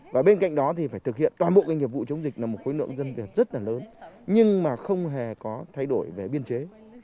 và bên cạnh đó thì phải thực hiện toàn bộ cái nghiệp vụ chống dịch là một khối lượng dân việc rất là lớn nhưng mà không hề có thay đổi về biên chế